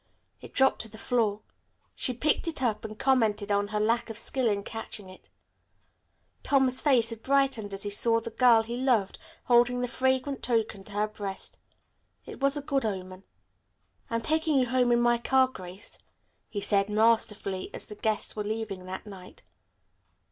It dropped to the floor. She picked it up and commented on her lack of skill in catching it. Tom's face had brightened as he saw the girl he loved holding the fragrant token to her breast. It was a good omen. "I'm going to take you home in my car, Grace," he said masterfully, as the guests were leaving that night.